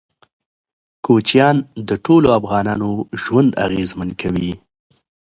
کوچیان د ټولو افغانانو ژوند اغېزمن کوي.